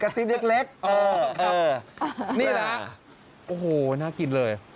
กะติ๊บนิดเล็กนี่ล่ะโอ้โหน่ากินเลย